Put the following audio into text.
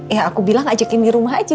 ya aku bilang ajakin di rumah aja